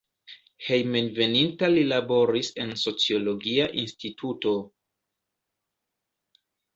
Hejmenveninta li laboris en sociologia instituto.